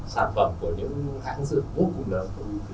sản phẩm của những hãng dược vô cùng lớn